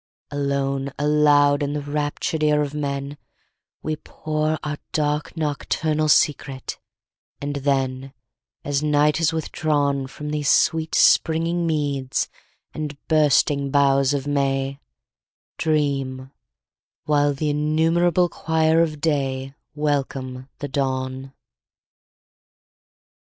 Alone, aloud in the raptured ear of men We pour our dark nocturnal secret; and then, As night is withdrawn 15 From these sweet springing meads and bursting boughs of May, Dream, while the innumerable choir of day Welcome the dawn.